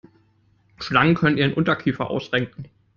Schlangen können ihren Unterkiefer ausrenken.